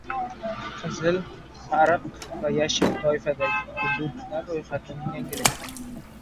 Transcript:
“Qizil”, “sariq” va “yashil” toifadagi hududlar ro‘yxati yangilandi